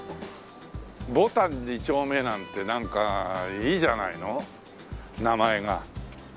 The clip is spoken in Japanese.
「牡丹二丁目」なんてなんかいいじゃないの名前が。